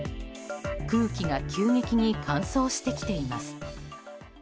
空気が急激に乾燥してきています。